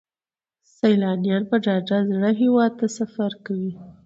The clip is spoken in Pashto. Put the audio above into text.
سیلانیان په ډاډه زړه هیواد ته سفر کوي.